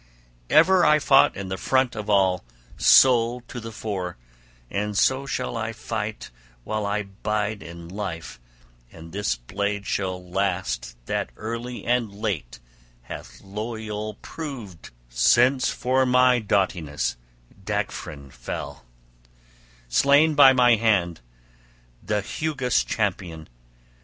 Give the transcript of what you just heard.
Ever I fought in the front of all, sole to the fore; and so shall I fight while I bide in life and this blade shall last that early and late hath loyal proved since for my doughtiness Daeghrefn fell, slain by my hand, the Hugas' champion.